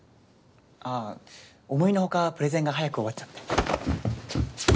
ああ思いのほかプレゼンが早く終わっちゃって。